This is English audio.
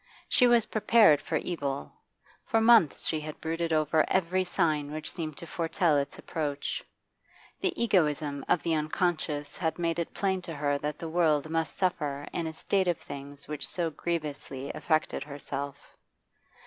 She was prepared for evil; for months she had brooded over every sign which seemed to foretell its approach; the egoism of the unconscious had made it plain to her that the world must suffer in a state of things which so grievously affected herself.